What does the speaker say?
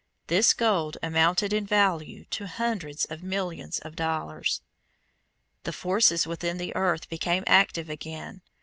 This gold amounted in value to hundreds of millions of dollars. The forces within the earth became active again.